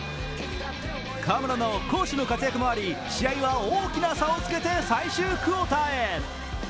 河村の攻守の活躍もあり、試合は大きな差をつけて最終クオーターへ。